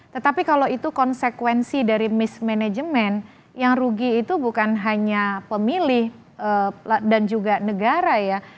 tetapi kalau itu konsekuensi dari mismanagement yang rugi itu bukan hanya pemilih dan juga negara ya